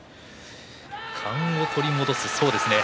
勘を取り戻す、そうですね。